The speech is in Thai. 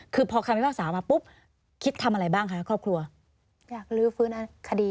คือพอคำพิพากษามาปุ๊บคิดทำอะไรบ้างคะครอบครัวอยากลื้อฟื้นคดี